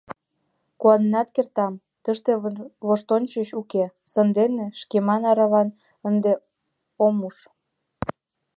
— Куаненат кертам, тыште воштончыш уке, сандене шкемын аравам ынде ом уж.